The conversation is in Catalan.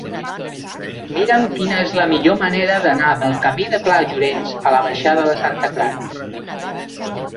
Mira'm quina és la millor manera d'anar del camí del Pla Llorenç a la baixada de Santa Clara.